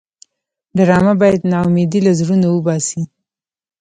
ډرامه باید ناامیدي له زړونو وباسي